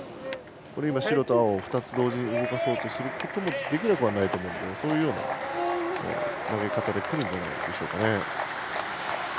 白と青２つ同時に動かそうとすることもできなくはないと思うのでそういう投げ方でくるでしょうか。